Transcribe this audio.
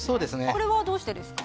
これはどうしてですか？